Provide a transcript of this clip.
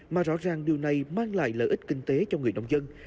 mà rõ ràng điều này mang lại lợi ích kinh tế cho người nông dân